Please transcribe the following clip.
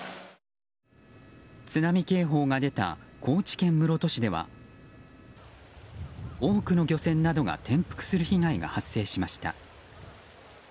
津波警報が出た高知県室戸市では多くの漁船などが転覆する被害が発生しました。